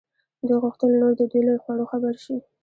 دوی غوښتل نور د دوی له خوړو خبر شي.